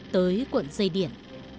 tới cuộn dây điện